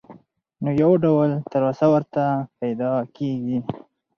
نو يو ډول تلوسه ورته پېدا کيږي.